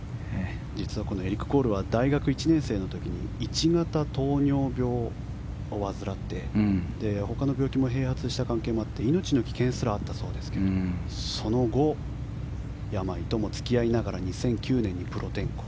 このエリック・コールは大学１年生の時に１型糖尿病を患って他の病気も併発した関係もあり命の危険すらあったそうですがその後、病とも付き合いながら２００９年にプロ転向。